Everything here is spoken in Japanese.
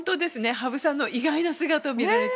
羽生さんの意外な姿を見られて。